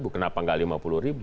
kenapa nggak lima puluh